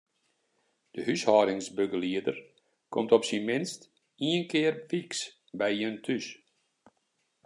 De húshâldingsbegelieder komt op syn minst ien kear wyks by jin thús.